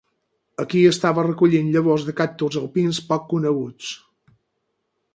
Aquí estava recollint llavors de cactus alpins poc coneguts.